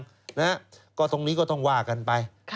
จึงตรงนี้ก็ต้องว่ากันไป